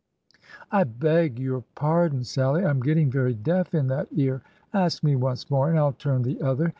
" I beg your pardon, Sallie ! I 'm getting very deaf in that ear. Ask me once more, and I 'll turn the other."